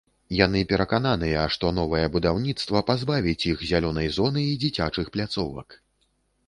Яны перакананыя, што новае будаўніцтва пазбавіць іх зялёнай зоны і дзіцячых пляцовак.